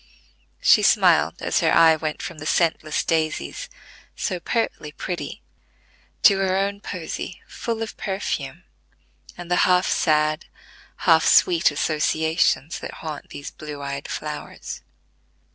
She smiled as her eye went from the scentless daisies, so pertly pretty, to her own posy full of perfume, and the half sad, half sweet associations that haunt these blue eyed flowers.